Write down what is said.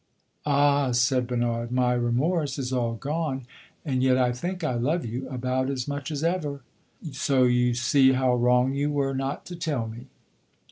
"Ah," said Bernard, "my remorse is all gone, and yet I think I love you about as much as ever! So you see how wrong you were not to tell me."